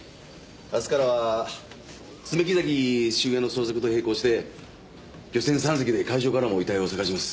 明日からは爪木崎周辺の捜索と並行して漁船３隻で海上からも遺体を捜します。